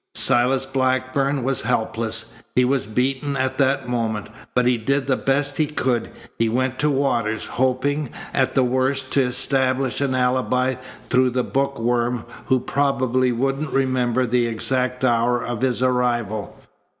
Silas Blackburn was helpless. He was beaten at that moment, but he did the best he could. He went to Waters, hoping, at the worst, to establish an alibi through the book worm who probably wouldn't remember the exact hour of his arrival.